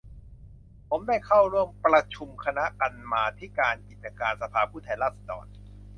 ผมได้เข้าร่วมประชุมคณะกรรมาธิการกิจการสภาผู้แทนราษฎร